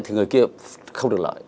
thì người kia không được lợi